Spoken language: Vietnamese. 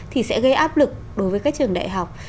thì sẽ gây áp lực đối với các trường đại học